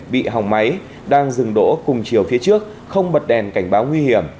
bị hỏng máy đang dừng đỗ cùng chiều phía trước không bật đèn cảnh báo nguy hiểm